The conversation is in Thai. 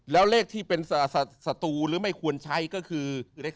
แล้วเลขที่เป็นสตูหรือไม่ควรใช้ก็คือเลข๓